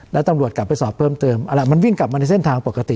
แล้วตำรวจกลับไปสอบเพิ่มเติมอะไรมันวิ่งกลับมาในเส้นทางปกติ